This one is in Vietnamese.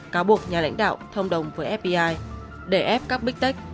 cáo buộc nhà lãnh đạo thông đồng với fpi để ép các big tech